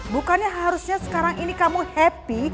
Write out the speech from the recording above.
bukannya harusnya sekarang ini kamu happy